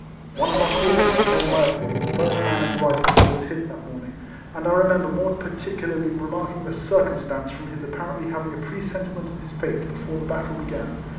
One of our corporals, named Murphy, was the first man in the Rifles who was hit that morning, and I remember more particularly remarking the circumstance from his ap parently having a presentiment of his fate before the battle began.